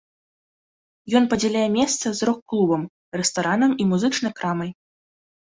Ён падзяляе месца з рок-клубам, рэстаранам і музычнай крамай.